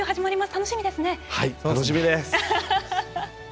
楽しみです。